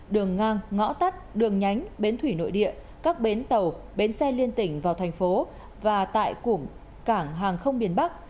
đường ngang ngõ tắt đường nhánh bến thủy nội địa các bến tàu bến xe liên tỉnh vào thành phố và tại cụm cảng hàng không biển bắc